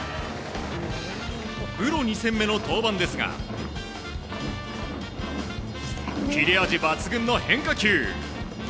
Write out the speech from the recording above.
プロ２戦目の登板ですが切れ味抜群の変化球。